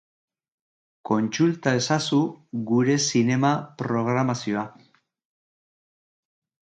Kontsulta ezazu gure zinema-programazioa.